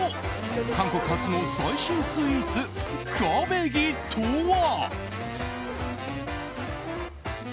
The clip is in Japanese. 韓国発の最新スイーツクァベギとは？